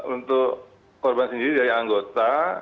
untuk korban sendiri dari anggota